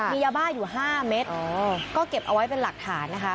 มียาบ้าอยู่๕เม็ดก็เก็บเอาไว้เป็นหลักฐานนะคะ